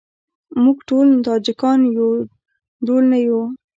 موږ ټول تاجیکان یو ډول نه یوو.